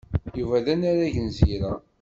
Yuba d anarag n Zira.